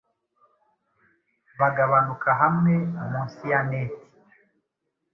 bagabanuka hamwe Munsi ya Neti